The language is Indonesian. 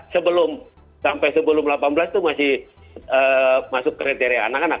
sebelum sampai sebelum delapan belas itu masih masuk kriteria anak anak